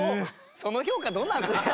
その評価どうなんですか？